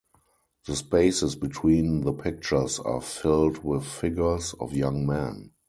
The spaces between the pictures are filled with figures of young men.